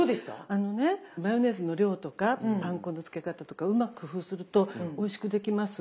あのねマヨネーズの量とかパン粉のつけ方とかうまく工夫するとおいしくできます。